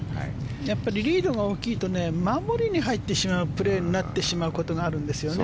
やっぱりリードが大きいと守りに入ってしまうプレーになってしまう可能性があるんですよね。